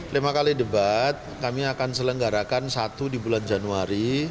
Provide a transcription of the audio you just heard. lima kali debat kami akan selenggarakan satu di bulan januari